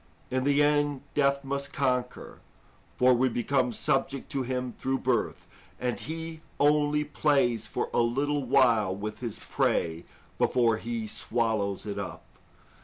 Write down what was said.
In the end, death must conquer, for we became subject to him through birth, and he only plays for a little while with his prey before he swallows it up.